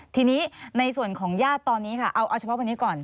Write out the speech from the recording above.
ทีนี้ในส่วนของญาติตอนนี้ค่ะเอาเฉพาะวันนี้ก่อน